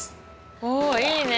おいいね。